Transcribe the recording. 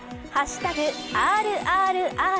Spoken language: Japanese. ＃ＲＲＲ。